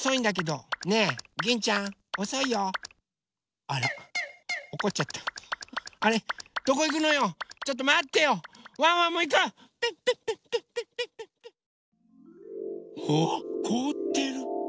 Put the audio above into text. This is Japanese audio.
おおっこおってる！